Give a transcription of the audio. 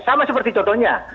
sama seperti contohnya